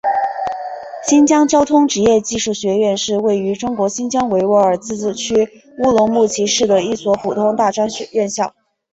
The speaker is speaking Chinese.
新疆交通职业技术学院是位于中国新疆维吾尔自治区乌鲁木齐市的一所普通大专院校。